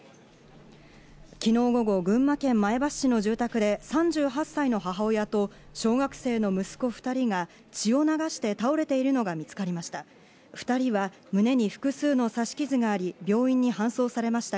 昨日午後、群馬県前橋市の住宅で３８歳の母親と小学生の息子２人が血を流して倒れているのが見つかりました。